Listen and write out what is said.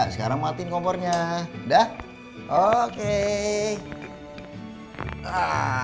sekarang mati kompornya dah oke ah